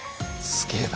すげえな！